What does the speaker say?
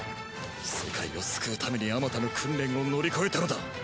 世界を救うために数多の訓練を乗り越えたのだ。